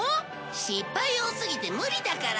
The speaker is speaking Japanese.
失敗多すぎて無理だから。